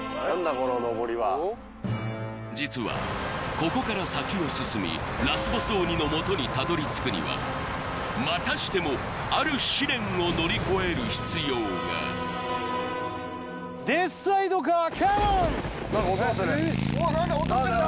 こののぼりは実はここから先を進みラスボス鬼のもとにたどり着くにはまたしてもある試練を乗り越える必要がうわっ何だ音するよ